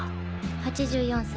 ８４歳。